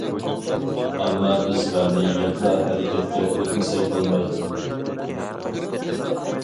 ئەمما بىز غەمنى يەپلا ھەرىكەتكە ئۆتمىسەك بولمايدۇ.